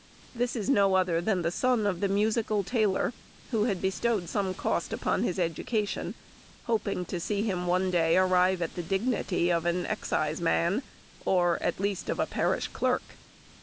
This is no other than the son of the musical tailor, who had bestowed some cost upon his education, hoping to see him one day arrive at the dignity of an exciseman, or at least of a parish clerk.